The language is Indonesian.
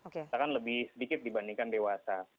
katakan lebih sedikit dibandingkan dewasa